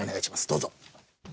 どうぞ。